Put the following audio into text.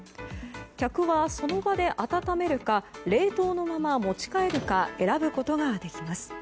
客は、その場で温めるか冷凍のまま持ち帰るか選ぶことができます。